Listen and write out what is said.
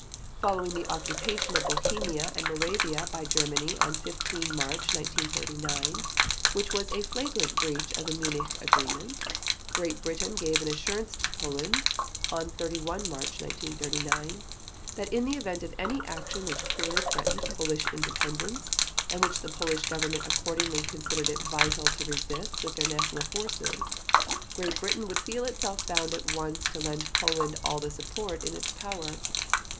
Following on the occupation of Bohemia and Moravia by Germany on 15 March 1939, which was a flagrant breach of the Munich Agreement, Great Britain gave an assurance to Poland on 31 March 1939 that in the event of any action which clearly threatened Polish independence, and which the Polish Government accordingly considered it vital to resist with their National Forces, Great Britain would feel itself bound at once to lend Poland all the support in its power.